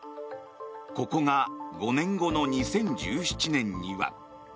ここが５年後の２０１７年には。